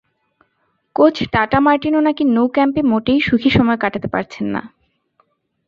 Coach Tata Martino নাকি Nou ক্যাম্পে মোটেই সুখী সময় কাটাতে পারছেন না।